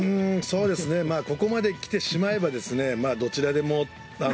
ここまで来てしまえばどちらでも。